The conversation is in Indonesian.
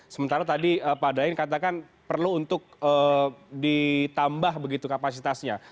sementara tadi pak daeng katakan perlu untuk ditambah begitu kapasitasnya